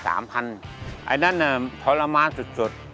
ไอ้นั่นน่ะทรมานสุด